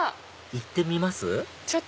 行ってみます？